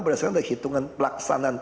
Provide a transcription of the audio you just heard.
berdasarkan ada hitungan pelaksanaan teknologi